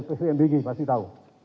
spesial mbg pasti tahu